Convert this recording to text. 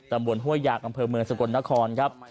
ตำบวนห้วยหยากกำเภอเมืองสะกดนครครับ